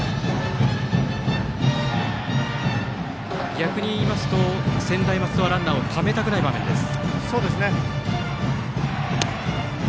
逆に言いますと専大松戸はランナーをためたくない場面です。